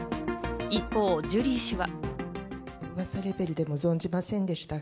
一方、ジュリー氏は。